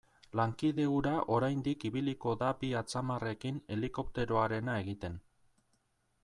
Lankide hura oraindik ibiliko da bi atzamarrekin helikopteroarena egiten.